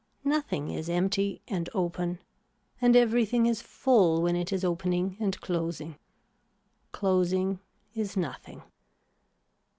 Nothing is empty and open and everything is full when it is opening and closing. Closing is nothing.